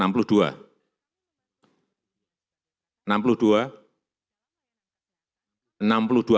berapa bu enam puluh dua